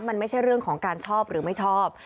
มันไม่ใช่เรื่องของการชอบหรือไม่ชอบ